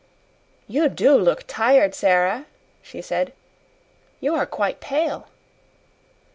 "You DO look tired, Sara," she said; "you are quite pale."